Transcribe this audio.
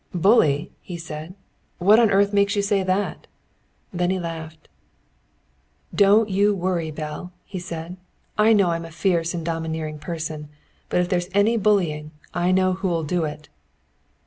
"Bully!" he said. "What on earth makes you say that?" Then he laughed. "Don't you worry, Belle," he said. "I know I'm a fierce and domineering person, but if there's any bullying I know who'll do it."